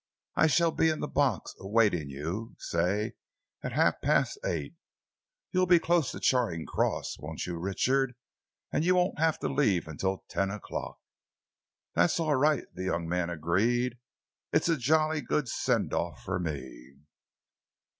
I shall be in the box, awaiting you, say at half past eight. You'll be close to Charing Cross, won't you, Richard, and you won't have to leave until ten o'clock?" "That's all right," the young man agreed. "It's a jolly good send off for me."